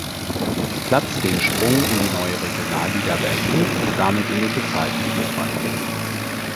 Platz den Sprung in die neue Regionalliga Berlin und damit in den bezahlten Fußball.